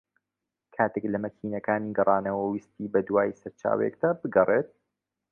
کاتێک لە مەکینەکانی گەڕانەوە ویستی بە دووای سەرچاوەیەکدا بگەڕێت